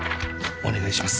お願いします。